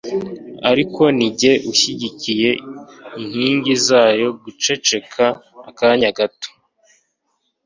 ariko ni jye ushyigikiye inkingi zayo guceceka akanya gato